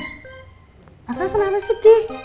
pak kang kenapa sedih